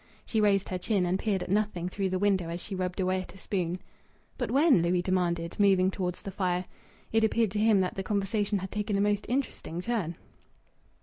She raised her chin, and peered at nothing through the window as she rubbed away at a spoon. "But when?" Louis demanded, moving towards the fire. It appeared to him that the conversation had taken a most interesting turn.